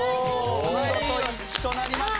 見事一致となりました。